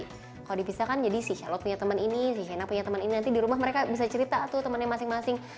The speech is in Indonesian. kalau dipisahkan jadi si charlotte punya temen ini si seyna punya temen ini nanti dirumah mereka bisa cerita tuh temennya masing masing